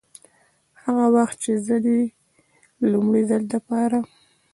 هغه وخت چې زه دې د لومړي ځل دپاره